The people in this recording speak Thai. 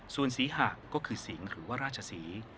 ส่วนศรีหะก็คือสิงห์หรือว่าราชศรี